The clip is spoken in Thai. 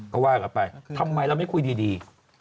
ก็ว่ากันไปทำไมเราไม่คุยดี